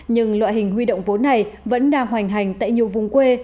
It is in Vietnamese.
nhưng loại hình huy động vốn này vẫn đang hoành hành tại nhiều vùng quê